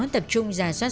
tập trung giả soát